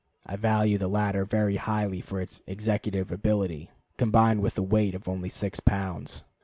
I value the latter very highly for its "executive ability," combined with a weight of only six pounds.